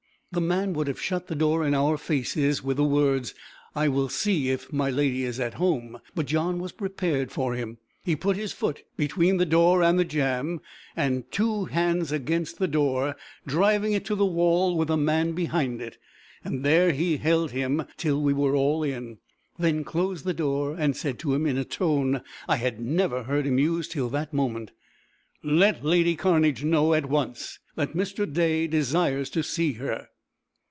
The man would have shut the door in our faces, with the words, "I will see if my lady is at home;" but John was prepared for him. He put his foot between the door and the jamb, and his two hands against the door, driving it to the wall with the man behind it. There he held him till we were all in, then closed the door, and said to him, in a tone I had never heard him use till that moment, "Let lady Cairnedge know at once that Mr. Day desires to see her."